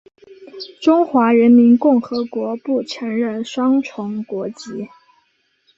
中华人民共和国不承认双重国籍。